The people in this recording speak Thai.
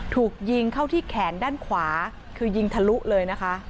ถูกยิงเข้าที่แขนด้านขวาคือยิงทะลุเลยนะคะ